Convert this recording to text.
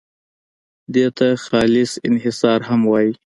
دې ته خالص انحصار هم وایي.